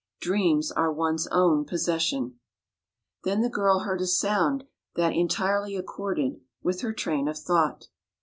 Dreams are one's own possession. Then the girl heard a sound that entirely accorded with her train of thought.